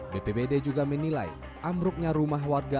bpbd juga menilai amruknya rumah warga